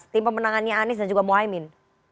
tim pemenangannya anies dan juga mohaimin